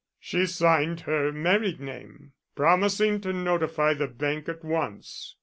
"She signed her married name promising to notify the bank at once."